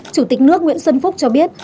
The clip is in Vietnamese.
chủ tịch nước nguyễn xuân phúc cho biết